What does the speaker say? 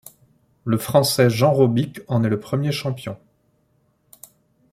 Le Français Jean Robic en est le premier champion.